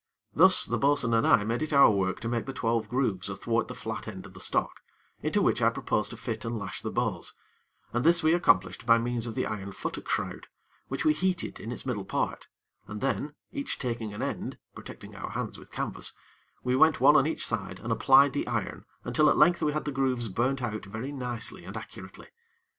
Thus, the bo'sun and I made it our work to make the twelve grooves athwart the flat end of the stock, into which I proposed to fit and lash the bows, and this we accomplished by means of the iron futtock shroud, which we heated in its middle part, and then, each taking an end (protecting our hands with canvas), we went one on each side and applied the iron until at length we had the grooves burnt out very nicely and accurately.